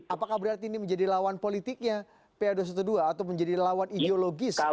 apakah berarti ini menjadi lawan politiknya pa dua ratus dua belas atau menjadi lawan ideologis pa dua ratus dua belas